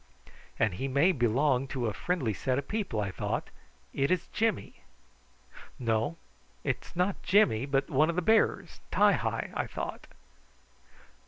"And he may belong to a friendly set of people," I thought. "It is Jimmy!" "No: it was not Jimmy, but one of the bearers Ti hi," I thought.